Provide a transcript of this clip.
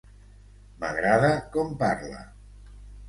M'agrada com parla.